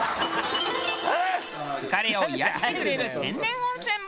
疲れを癒やしてくれる天然温泉も。